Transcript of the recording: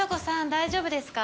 大丈夫ですか？